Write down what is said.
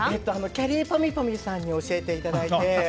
きゃりーぱみゅぱみゅさんに教えていただいて。